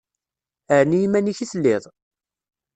Ɛni iman-ik i telliḍ?